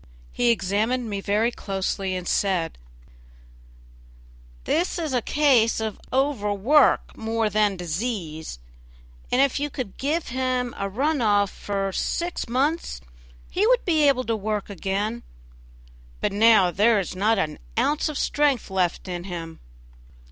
He examined me very closely and said: "This is a case of overwork more than disease, and if you could give him a run off for six months he would be able to work again; but now there is not an ounce of strength left in him."